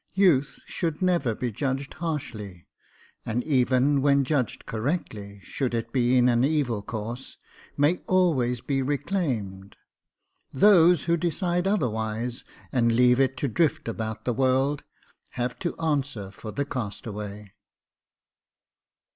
Youth should never be judged harshly, and even when judged correctly, should it be in an evil course, may alv/ays be reclaimed ;— those who decide otherwise, and leave it to drift about the world, have to answer for the castanvay.